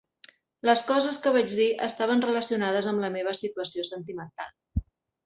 Les coses que vaig dir estaven relacionades amb la meva situació sentimental.